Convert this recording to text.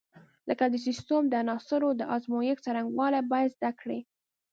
لکه د سیسټم د عناصرو د ازمېښت څرنګوالي باید زده کړي.